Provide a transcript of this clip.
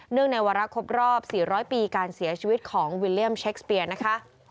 ในวาระครบรอบ๔๐๐ปีการเสียชีวิตของวิลเลี่ยมเช็คสเปียนะคะ